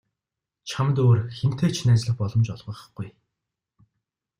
Чамд өөр хэнтэй ч найзлах боломж олгохгүй.